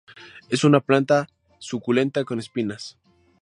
Es una planta suculenta con espinas.